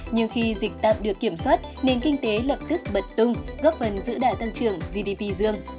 nhưng khi dịch tạm được kiểm soát nền kinh tế lập tức bật tung góp phần giữ đài tăng trưởng gdp dương